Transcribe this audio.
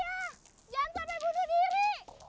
jangan sampai bunuh diri